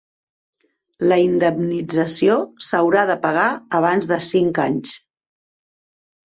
La indemnització s'haurà de pagar abans de cinc anys.